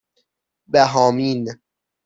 بَهامین